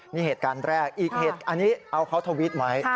นี่เหตุการณ์แรกอันนี้เอาเขาทวิตไว้